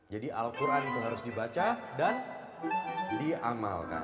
jadi al quran itu harus dibaca dan diamalkan